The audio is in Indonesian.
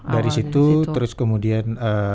dari situ terus kemudian